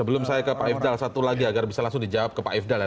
sebelum saya ke pak ifdal satu lagi agar bisa langsung dijawab ke pak ifdal ya